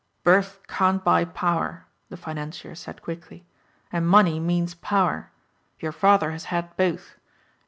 "Birth can't buy power," the financier said quickly, "and money means power. Your father has had both.